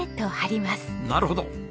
なるほど。